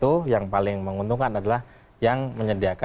nah senjata itu yang paling menguntungkan adalah yang menyediakan bahan bahan